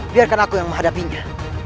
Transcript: biarkan aku yang menghadapinya